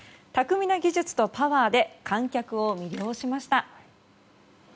巧みな技術とパワーで観客を魅了しました。